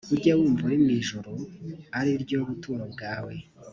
ujye wumva uri mu ijuru ari ryo buturo bwawe